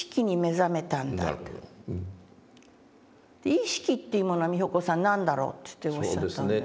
「意識っていうものは美穂子さん何だろう？」っておっしゃったんですね。